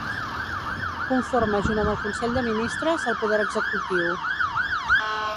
Conforma junt amb el Consell de Ministres, el Poder Executiu.